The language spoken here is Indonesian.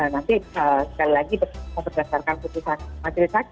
nanti sekali lagi kita berdasarkan keputusan majelis agen ya